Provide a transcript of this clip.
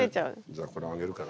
じゃあこれあげるから。